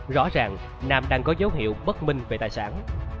rõ ràng nam đang có dấu hiệu bất minh về tài sản